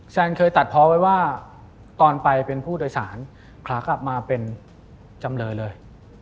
เคยตัดเพาะไว้ว่าตอนไปเป็นผู้โดยสารขากลับมาเป็นจำเลยเลย